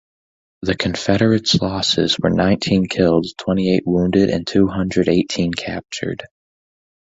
The Confederates' losses were nineteen killed, twenty-eight wounded, and two hundred eighteen captured.